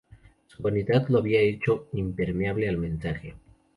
Su vanidad lo había hecho impermeable al mensaje.